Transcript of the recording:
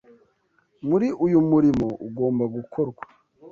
Muri uyu murimo ugomba gukorwa